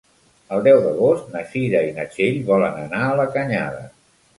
El deu d'agost na Cira i na Txell volen anar a la Canyada.